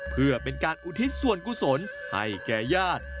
เพื่อเป็นการอุทิศส่วนกุศลให้แก่ญาติ